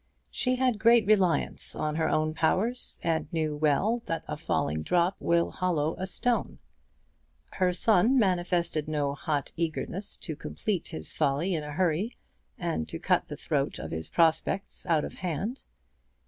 She had great reliance on her own powers, and knew well that a falling drop will hollow a stone. Her son manifested no hot eagerness to complete his folly in a hurry, and to cut the throat of his prospects out of hand.